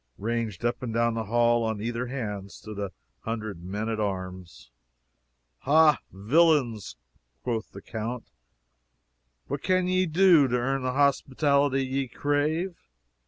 Ranged up and down the hall on either hand stood near a hundred men at arms. "Ha, villains!" quoth the count, "What can ye do to earn the hospitality ye crave."